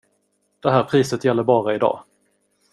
Det här priset gäller bara i dag.